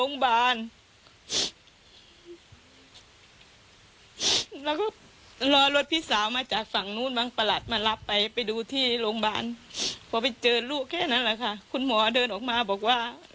คนพิจารณ์แผลไม่ไหว